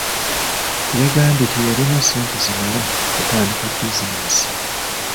Yagambye teyalina ssente zimala kutandika bizinensi.